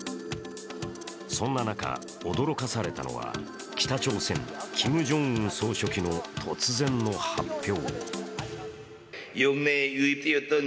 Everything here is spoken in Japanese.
そんな中、驚かされたのは北朝鮮のキム・ジョンウン総書記の突然の発表。